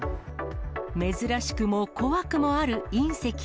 珍しくも怖くもある隕石。